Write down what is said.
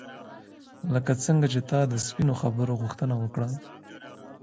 لکه څنګه چې تا د سپینو خبرو غوښتنه وکړه.